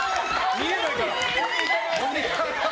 見えないから！